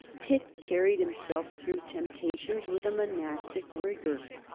Pitt carried himself through temptations with a monastic rigor.